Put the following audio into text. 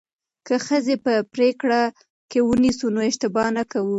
که ښځې په پریکړو کې ونیسو نو اشتباه نه کوو.